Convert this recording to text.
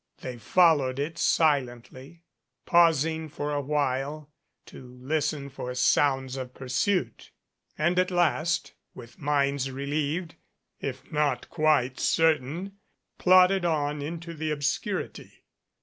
They followed it silently, pausing for a while to listen for sounds of pursuit, and at last, with minds re lieved, if not quite certain, plodded on into the obscur ity.